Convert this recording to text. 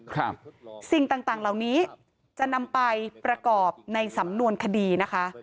สิ่งต่างต่างเหล่านี้จะนำไปประกอบในสำนวนคดีนะคะ